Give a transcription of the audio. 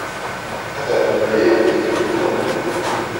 Ad arment aya tikkelt niḍen.